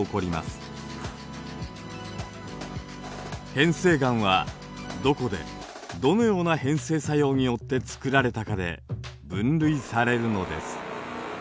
変成岩はどこでどのような変成作用によってつくられたかで分類されるのです。